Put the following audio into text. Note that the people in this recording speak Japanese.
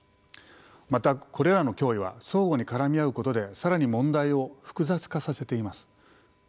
またこれらの脅威は相互に絡み合うことで更に問題を複雑化させています。